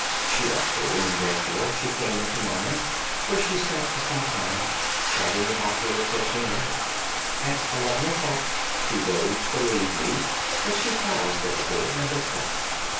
She left her room, therefore, and came into mine, where she sat for some time, chatting about her approaching wedding. At eleven o'clock she rose to leave me, but she paused at the door and looked back.